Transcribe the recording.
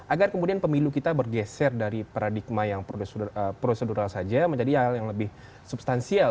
agar kemudian pemilu kita bergeser dari paradigma yang prosedural saja menjadi hal yang lebih substansial